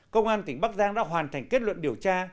công an tỉnh bắc giang đã hoàn thành kết luận điều tra